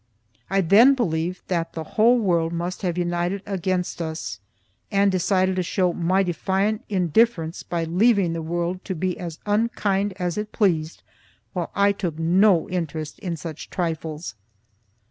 I then believed that the whole world must have united against us; and decided to show my defiant indifference by leaving the world to be as unkind as it pleased, while I took no interest in such trifles.